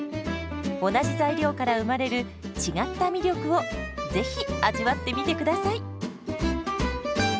同じ材料から生まれる違った魅力をぜひ味わってみてください。